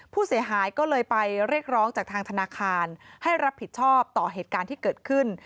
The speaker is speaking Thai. ผู้เสียหายก็เลยไปเรียกร้องจากทางธนาคารให้รับผิดชอบต่อเหตุการณ์ที่เกิดขึ้น